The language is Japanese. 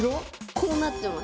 こうなってます。